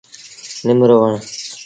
نم رو وڻ ۔